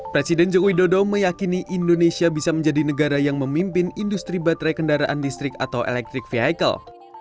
presiden joko widodo meyakini indonesia bisa menjadi negara yang memimpin industri baterai kendaraan listrik atau electric vehicle